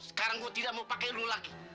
sekarang gue tidak mau pakai lu lagi